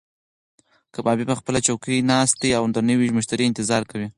کبابي په خپله چوکۍ ناست دی او د نوي مشتري انتظار کوي.